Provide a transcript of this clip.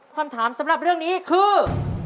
คำถามสำหรับเรื่องนี้คือ